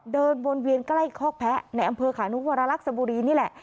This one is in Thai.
เดินวนเวียนใกล้คอกแพ้ในอำเภอขานุวรรลักษบุรีนี่แหละ